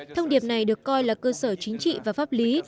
thông điệp này được coi là cơ sở chính trị và pháp lý